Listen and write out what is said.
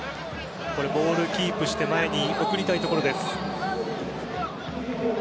ボールキープして前に送りたいところ。